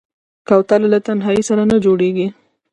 کوتره له تنهايي سره نه جوړېږي.